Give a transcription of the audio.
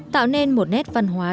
tạo nên một nét văn hóa